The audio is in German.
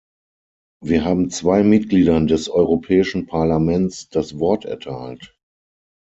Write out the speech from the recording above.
Wir haben zwei Mitgliedern des Europäischen Parlaments das Wort erteilt.